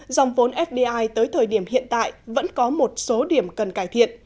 dòng vốn fdi tới thời điểm hiện tại vẫn có một số điểm cần cải thiện